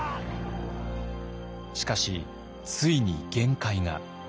しかしついに限界が。